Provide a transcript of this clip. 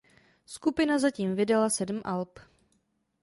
Skupina zatím vydala sedm alb.